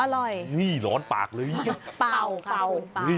อร่อยร้อนปากเลยเป่า